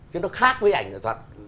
chứ nó khác với ảnh nghệ thuật